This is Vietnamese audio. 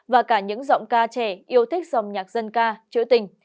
và cả những giọng ca trẻ yêu thích dòng nhạc dân ca trữ tình